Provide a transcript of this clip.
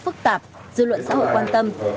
phức tạp dư luận xã hội quan tâm